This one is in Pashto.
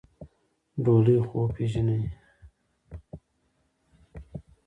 ډولۍ خو پېژنې؟